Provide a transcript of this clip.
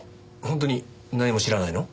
本当に何も知らないの？